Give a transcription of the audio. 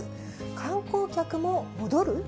観光客も戻る？